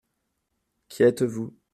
Qui êtes-vous ?